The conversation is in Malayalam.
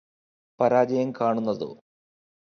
പരാജയം കാണുന്നതോ